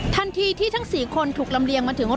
ทันทีที่ทั้ง๔คนถูกลำเลียงมาถึง